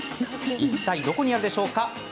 いったいどこにあるでしょうか？